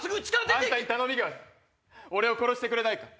あんたに頼みがある俺を殺してくれないか？